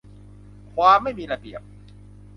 ความไม่มีระเบียบ